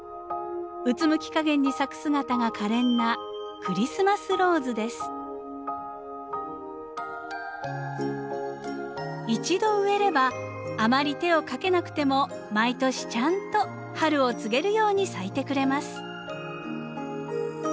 うつむき加減に咲く姿が可憐な一度植えればあまり手をかけなくても毎年ちゃんと春を告げるように咲いてくれます。